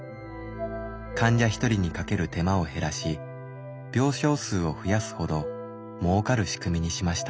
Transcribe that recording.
患者１人にかける手間を減らし病床数を増やすほどもうかる仕組みにしました。